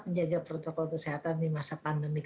menjaga protokol kesehatan di masa pandemi